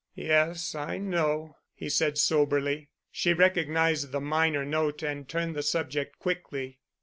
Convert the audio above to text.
"Yes, I know," he said soberly. She recognized the minor note and turned the subject quickly.